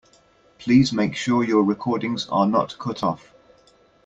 Please make sure your recordings are not cut off.